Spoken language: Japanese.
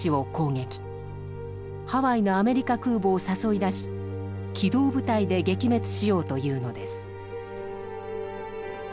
ハワイのアメリカ空母を誘い出し機動部隊で撃滅しようというのです。